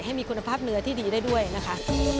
ให้มีคุณภาพเนื้อที่ดีได้ด้วยนะคะ